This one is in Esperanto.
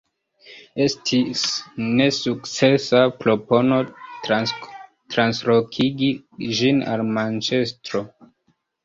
Estis nesukcesa propono translokigi ĝin al Manĉestro.